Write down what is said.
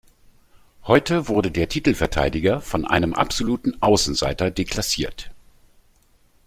Heute wurde der Titelverteidiger von einem absoluten Außenseiter deklassiert.